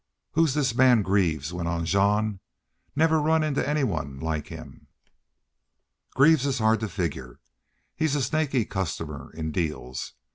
"Who's this man Greaves?" went on Jean. "Never run into anyone like him." "Greaves is hard to figure. He's a snaky customer in deals.